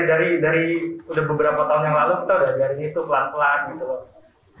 udah diajari pokoknya dari beberapa tahun yang lalu kita udah diajari itu pelan pelan gitu